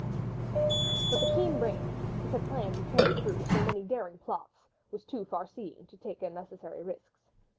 But the keen brain, which had planned and carried through so many daring plots, was too far seeing to take unnecessary risks.